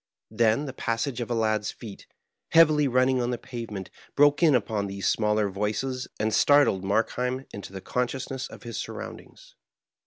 Then the passage of a lad's feet, heavily running on the pavement, broke in upon these smaller voices and startled Markheim into the consciousness of his surroundings.